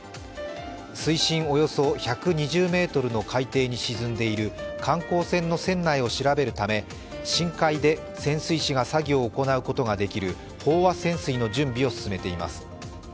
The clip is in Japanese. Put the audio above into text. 水深およそ１２０ｍの海底に沈んでいる観光船の船内を調べるため深海で潜水士が作業を行うことができる飽和潜水の準備を進めています。